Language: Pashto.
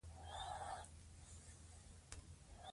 دا زموږ د کلتور بنسټ دی.